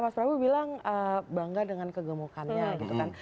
saya bilang bangga dengan kegemukannya gitu kan